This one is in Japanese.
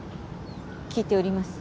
聞いております